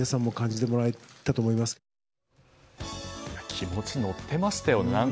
気持ち、乗ってましたよね。